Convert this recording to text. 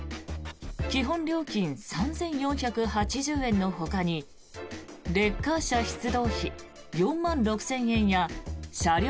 基本料金３４８０円のほかにレッカー車出動費４万６０００円や車両